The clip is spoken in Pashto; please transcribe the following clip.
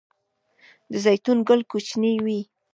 د زیتون ګل کوچنی وي؟